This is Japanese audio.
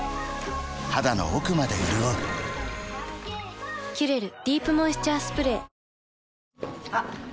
肌の奥まで潤う「キュレルディープモイスチャースプレー」あっ。